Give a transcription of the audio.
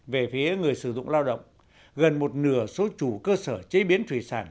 về phía người sử dụng lao động gần một nửa số chủ cơ sở chế biến thủy sản